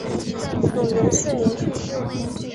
永元四年去世。